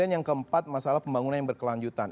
yang keempat masalah pembangunan yang berkelanjutan